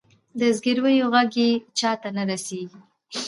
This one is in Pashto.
د زګیرویو ږغ یې چاته نه رسیږې